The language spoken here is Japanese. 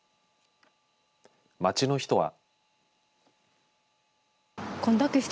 街の人は。